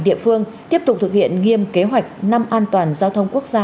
địa phương tiếp tục thực hiện nghiêm kế hoạch năm an toàn giao thông quốc gia